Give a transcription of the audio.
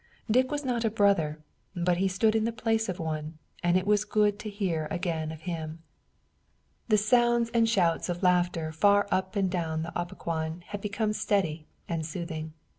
Dick was not a brother, but he stood in the place of one, and it was good to hear again of him. The sounds of shouts and laughter far up and down the Opequon became steady and soothing.